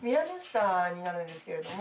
になるんですけれども。